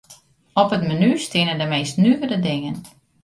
Op it menu steane de meast nuvere dingen.